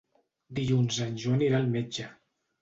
Dilluns en Joan irà al metge.